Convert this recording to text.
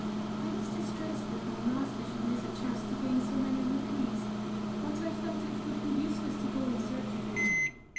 I was distressed that my master should miss a chance to gain so many rupees but I felt it would be useless to go in search of him.